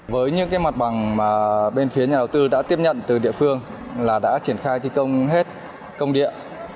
với những mặt bằng mà bên phía nhà đầu tư đã tiếp nhận từ địa phương là đã triển khai thi công hết công địa